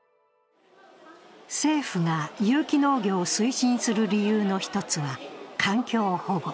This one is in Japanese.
政府が有機農業を推進する理由の一つは、環境保護。